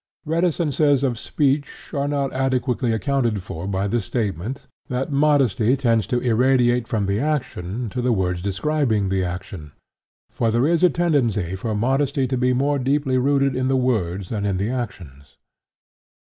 Reticences of speech are not adequately accounted for by the statement that modesty tends to irradiate from the action to the words describing the action, for there is a tendency for modesty to be more deeply rooted in the words than in the actions.